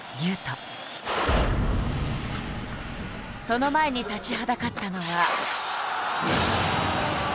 その前に立ちはだかったのは。